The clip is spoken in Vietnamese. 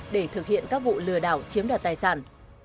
để thực hiện các vụ lừa đảo chiếm đoạt tài sản